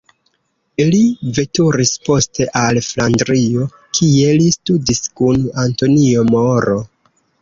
Li veturis poste al Flandrio, kie li studis kun Antonio Moro.